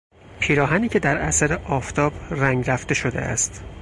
پیراهنی که در اثر آفتاب رنگ رفته شده است